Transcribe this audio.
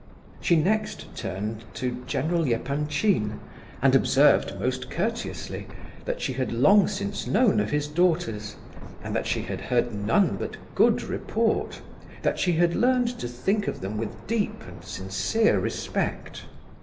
She next turned to General Epanchin and observed, most courteously, that she had long since known of his daughters, and that she had heard none but good report; that she had learned to think of them with deep and sincere respect.